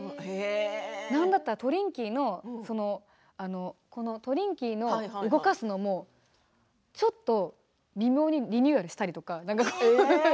何だったらトリンキーの動かすのもちょっと微妙にリニューアルしたりとか。